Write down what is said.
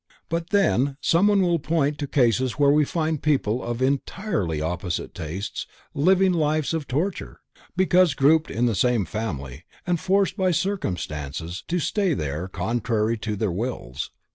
But then someone will point to cases where we find people of entirely opposite tastes living lives of torture, because grouped in the same family, and forced by circumstances to stay there contrary to their wills.